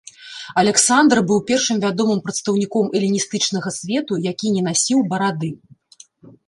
Аляксандр быў першым вядомым прадстаўніком эліністычнага свету, які не насіў барады.